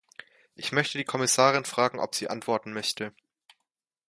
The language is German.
Ich möchte die Kommissarin fragen, ob sie antworten möchte.